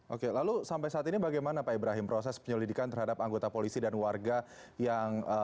oke lalu sampai saat ini bagaimana pak ibrahim proses penyelidikan terhadap anggota polisi dan warga yang